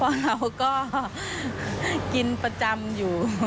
เราก็กินประจำอยู่